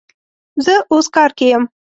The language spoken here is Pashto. زه اوس کار کی یم